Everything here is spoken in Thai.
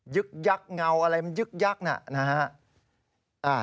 ึกยักษ์เงาอะไรมันยึกยักษ์นะฮะ